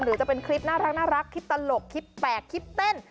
หรือจะเป็นคลิปน่ารักคลิปตลกคลิปแปลกคลิปเต้น